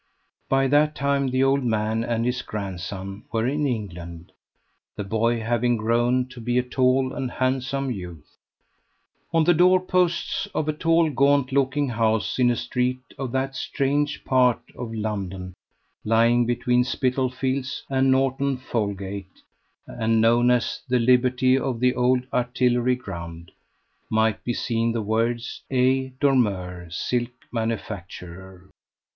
By that time the old man and his grandson were in England; the boy having grown to be a tall and handsome youth. On the door posts of a tall gaunt looking house in a street of that strange part of London lying between Spitalfields and Norton Folgate, and known as "The Liberty of the Old Artillery Ground," might be seen the words "A. Dormeur, Silk Manufacturer."